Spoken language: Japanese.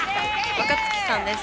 若槻さんです。